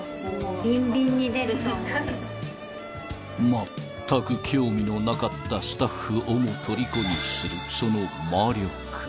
［まったく興味のなかったスタッフをもとりこにするその魔力］